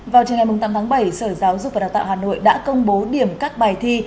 vào chiều ngày tám tháng bảy sở giáo dục và đào tạo hà nội đã công bố điểm các bài thi